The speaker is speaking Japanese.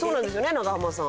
永濱さん。